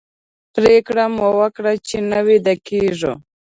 پرېکړه مو وکړه چې نه ویده کېږو.